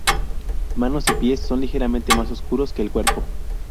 Manos y pies son ligeramente más oscuros que el cuerpo.